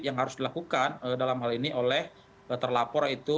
yang harus dilakukan dalam hal ini oleh terlapor itu